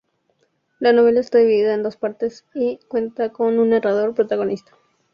La novela está dividida en dos partes y cuenta con un narrador-protagonista.